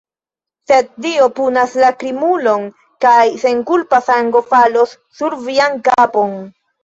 sed Dio punas la krimulon, kaj senkulpa sango falos sur vian kapon!